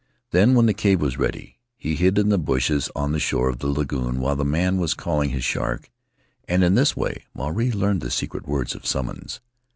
Then, when the cave was ready, he hid in the bushes on the shore of the lagoon while the man was calling his shark, and in this way Maruae learned the secret words of summons.